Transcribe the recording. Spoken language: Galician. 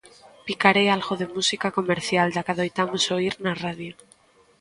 Picarei algo de música comercial, da que adoitamos oír na radio.